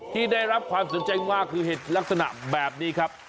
ที่ได้รับความสนใจมากคือเห็ดลักษณะแบบนี้ครับ